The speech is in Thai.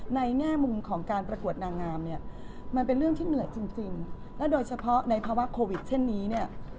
แง่มุมของการประกวดนางงามเนี่ยมันเป็นเรื่องที่เหนื่อยจริงและโดยเฉพาะในภาวะโควิดเช่นนี้เนี่ย